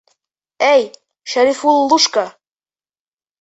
Эй, Шәрифуллушка!